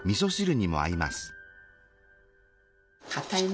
かたいね。